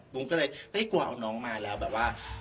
ก็เลยกลัวเอาน้องมาแล้วแบบว่า